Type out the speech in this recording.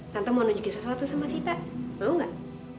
tante mau nunjukin sesuatu sama sita mau nggak